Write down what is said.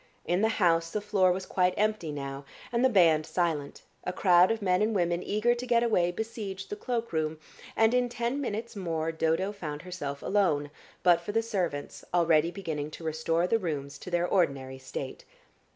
In the house the floor was quite empty now and the band silent, a crowd of men and women eager to get away besieged the cloakroom, and in ten minutes more Dodo found herself alone, but for the servants already beginning to restore the rooms to their ordinary state.